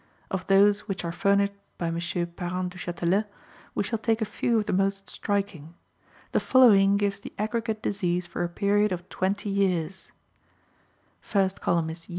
Of those which are furnished by M. Parent Duchatelet, we shall take a few of the most striking. The following gives the aggregate disease for a period of twenty years: Years. Average Total. Patients.